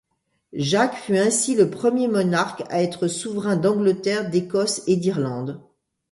Jacques fut ainsi le premier monarque à être souverain d'Angleterre, d'Écosse et d'Irlande.